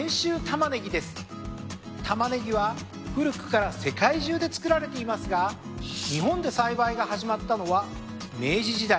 タマネギは古くから世界中で作られていますが日本で栽培が始まったのは明治時代。